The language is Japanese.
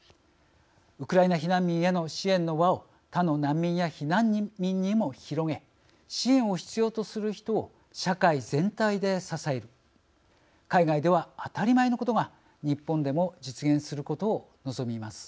ウクライナ避難民への支援の輪を他の難民や避難民にも広げ支援を必要とする人を社会全体で支える海外では当たり前のことが日本でも実現することを望みます。